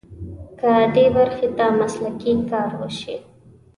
که دې برخې ته مسلکي کار وشي.